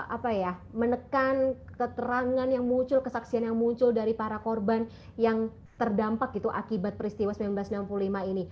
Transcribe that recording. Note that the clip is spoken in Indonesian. apa ya menekan keterangan yang muncul kesaksian yang muncul dari para korban yang terdampak gitu akibat peristiwa seribu sembilan ratus enam puluh lima ini